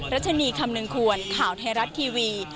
รัชนีคำนึงควรข่าวไทยรัฐทีวี